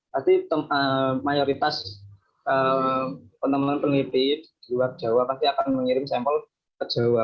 pasti mayoritas teman teman peneliti di luar jawa pasti akan mengirim sampel ke jawa